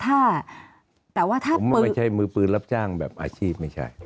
แต่ว่าท่าไม่ใช่มือปืนยังรับจ้างอาชีพ